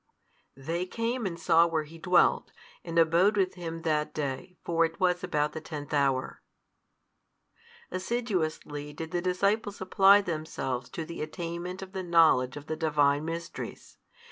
They came and saw where He dwelt, and abode with Him that day: for it was about the tenth hour. Assiduously did the disciples apply themselves to the attainment of the knowledge of the Divine Mysteries.